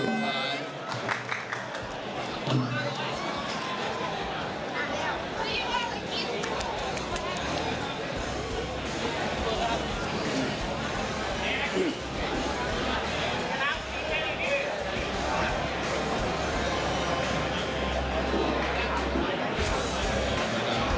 น้ำเงิน